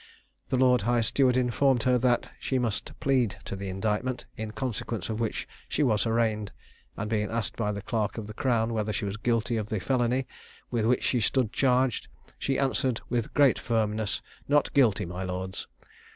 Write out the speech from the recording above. The lord high steward informed her that, she must plead to the indictment; in consequence of which she was arraigned; and being asked by the clerk of the crown whether she was guilty of the felony with which she stood charged, she answered, with great firmness, "Not guilty, my lords."